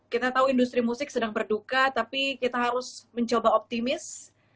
kita tahu industri musik sedang berduka tapi kita harus mencoba optimis